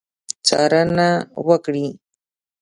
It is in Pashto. څارنه وکړي.